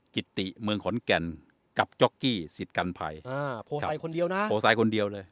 กิติเมืองขอนแก่นกับจ๊อกกี้สิทธิ์กันภัยอ่าโพไซดคนเดียวนะโพไซด์คนเดียวเลย